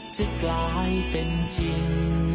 จะกลายเป็นจริง